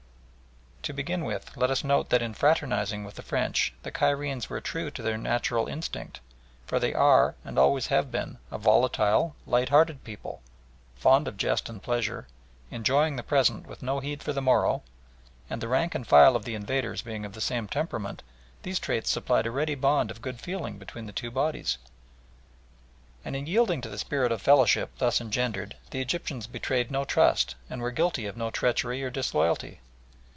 To begin with let us note that in fraternising with the French the Cairenes were true to their natural instinct, for they are and always have been a volatile, light hearted people, fond of jest and pleasure, enjoying the present with no heed for the morrow, and the rank and file of the invaders being of the same temperament, these traits supplied a ready bond of good feeling between the two bodies. And in yielding to the spirit of fellowship thus engendered the Egyptians betrayed no trust, and were guilty of no treachery or disloyalty.